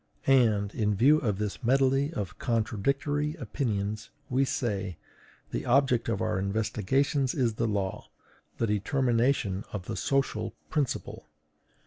And, in view of this medley of contradictory opinions, we say: "The object of our investigations is the law, the determination of the social principle.